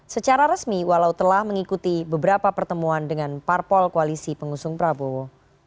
secara resmi walau telah mengikuti beberapa pertemuan dengan parpol koalisi pengusung prabowo